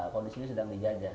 kondisinya sedang dijajah